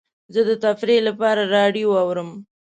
زه د تفریح لپاره راډیو اورم.